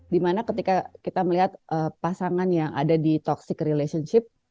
dimana ketika kita melihat pasangan yang ada di toxic relationship